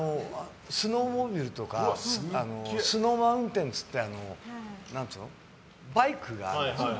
スノーモービルとかスノーマウンテンっていってバイクがあるんですよ。